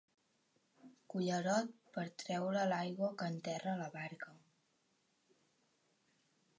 Cullerot per treure l'aigua que entra a la barca.